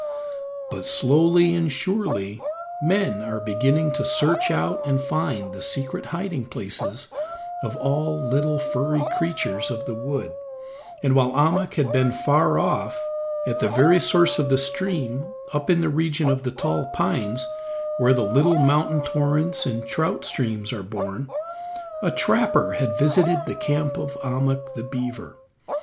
But slowly and surely men are beginning to search out and find the secret hiding places of all little furry creatures of the wood, and while Ahmuk had been far off, at the very source of the stream up in the region of the tall pines, where the little mountain torrents and trout streams are born, a trapper had visited the camp of Ahmuk the beaver.